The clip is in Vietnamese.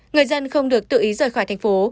người dân không được tự ý rời khỏi thành phố